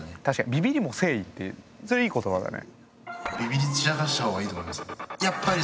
ビビりも誠意ってそれいい言葉だね。